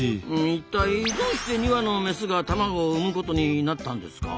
いったいどうして２羽のメスが卵を産むことになったんですか？